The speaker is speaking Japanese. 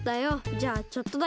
じゃあちょっとだけね。